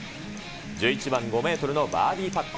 １１番、５メートルのバーディーパット。